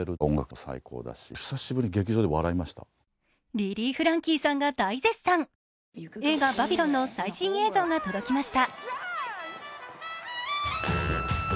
リリー・フランキーさんが大絶賛映画「バビロン」の最新映像が届きました。